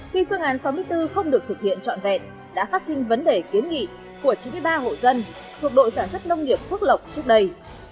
khi phương án sáu mươi bốn không được thực hiện trọn vẹn đã phát sinh vấn đề kiến nghị của chín mươi ba hộ dân thuộc đội sản xuất nông nghiệp phước lộc trước đây